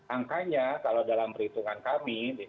angkanya kalau dalam perhitungan kami